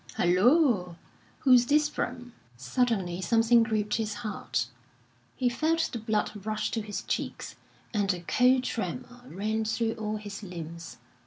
"Hulloa, who's this from?" Suddenly something gripped his heart; he felt the blood rush to his cheeks, and a cold tremor ran through all his limbs.